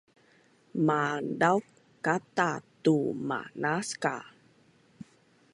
maldauk kata tu manaskal